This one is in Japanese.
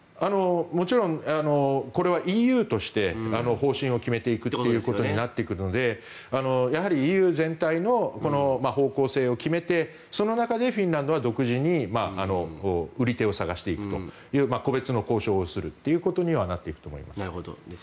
もちろん、これはＥＵとして方針を決めていくということになっていくのでやはりＥＵ全体の方向性を決めてその中でフィンランドは独自に売り手を探していくという個別の交渉をするということにはなっていくと思います。